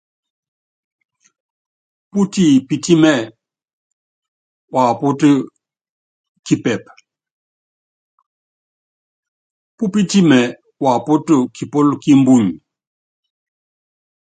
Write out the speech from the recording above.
Putipitimɛ mapɔt kipɛp, pupitimɛ wapɔt kipɔl ki mbuny.